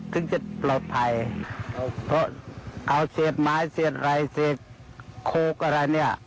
ถึงจะปลอดภัยเพราะเอาเศษไม้เศษอะไรเศษโค้กอะไรเนี่ย